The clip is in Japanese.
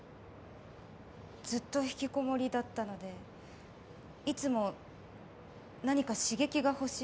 ずっと引きこもりだったのでいつも何か刺激が欲しいんです。